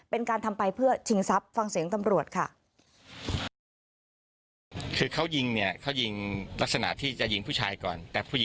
เป็นการทำไปเพื่อชิงทรัพย์ฟังเสียงตำรวจค่ะ